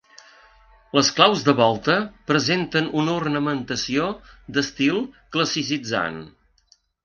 Les claus de volta presenten una ornamentació d'estil classicitzant.